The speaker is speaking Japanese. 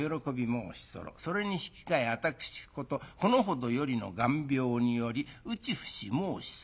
それに引き替え私ことこのほどよりの眼病により打ち伏し申し候』。